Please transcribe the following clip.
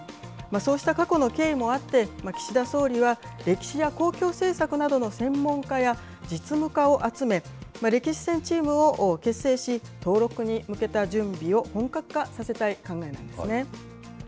そうした過去の経緯もあって、岸田総理は、歴史や公共政策などの専門家や実務家を集め、歴史戦チームを結成し、登録に向けた準備を本格化させたい考えなんですね。